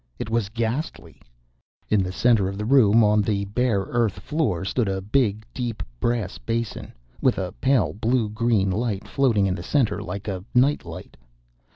It was ghastly. In the center of the room, on the bare earth floor, stood a big, deep, brass basin, with a pale blue green light floating in the center like a night light.